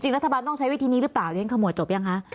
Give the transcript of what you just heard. รัฐบาลต้องใช้วิธีนี้หรือเปล่าเรียนขมวดจบยังคะ